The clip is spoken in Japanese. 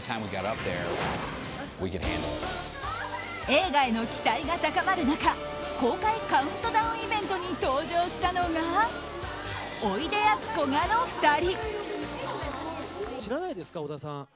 映画への期待が高まる中公開カウントダウンイベントに登場したのがおいでやすこがの２人。